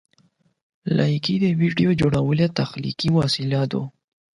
لایکي د ویډیو جوړولو تخلیقي وسیله ده.